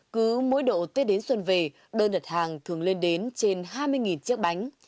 cứ mỗi độ tết đến xuân về đơn đặt hàng thường lên đến trên hai mươi chiếc bánh